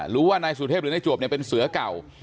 รู้ว่านายสุเทพหรือนายจวบเนี่ยเป็นเสือเก่า